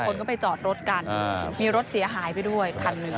คนก็ไปจอดรถกันมีรถเสียหายไปด้วยคันหนึ่ง